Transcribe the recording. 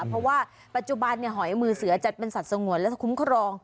เพราะว่าปัจจุบันหอยมือเสือจัดเป็นสัตว์สงวนและคุ้มครอง